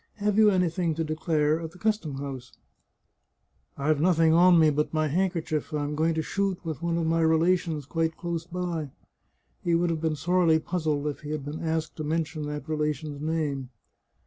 Have you anything to declare at the custom house ?"" I've nothing on me but my handkerchief ; I am going to shoot with one of my relations, quite close by." He would have been sorely puzzled if he had been asked to mention that relation's name.